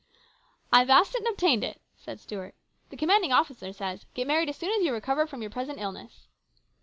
" I've asked it and obtained it," said Stuart. " The commanding officer says, ' Get married as soon as you recover from your present illness.'